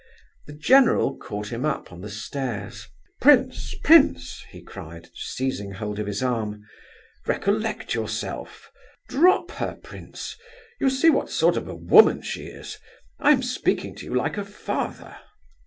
The general caught him up on the stairs: "Prince, prince!" he cried, seizing hold of his arm, "recollect yourself! Drop her, prince! You see what sort of a woman she is. I am speaking to you like a father."